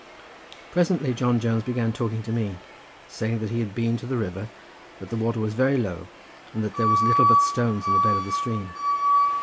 Presently John Jones began talking to me, saying that he had been to the river, that the water was very low, and that there was little but stones in the bed of the stream.